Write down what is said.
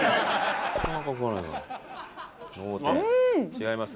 違います？